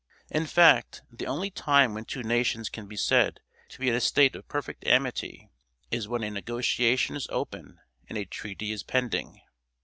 In fact, the only time when two nations can be said to be in a state of perfect amity is when a negotiation is open and a treaty pending.